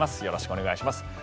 よろしくお願いします。